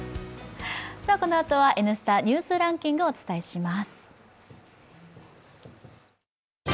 このあとは「Ｎスタ・ニュースランキング」をお伝えします。